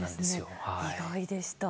意外でした。